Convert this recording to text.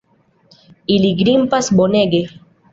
Ili grimpas bonege.